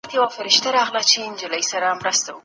پکار ده، چي په لومړي ملاقات کي هغې ته اطمئنان ورکړسي.